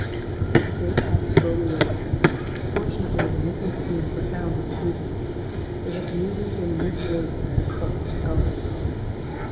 "The day passed slowly away. Fortunately the missing spoons were found in the evening: they had merely been mislaid by the cook or scullery girl.